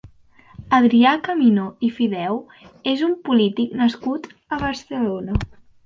Adrià Camino i Fideu és un polític nascut a Barcelona.